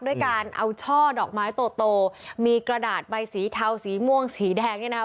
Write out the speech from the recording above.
ด้วยการเอาช่อดอกไม้โตโตมีกระดาษใบสีเทาสีม่วงสีแดงเนี่ยนะคะ